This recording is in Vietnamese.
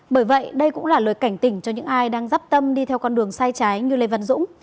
bởi vậy đây cũng là lời cảnh tỉnh cho những ai đang dắp tâm đi theo con đường sai trái như lê văn dũng